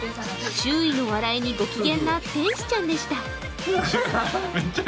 周囲の笑いにご機嫌な天使ちゃんでした。